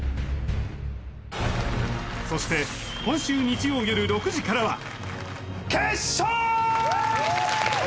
そして今週日曜よる６時からは決勝！